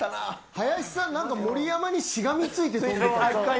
林さん盛山にしがみついてましたよね。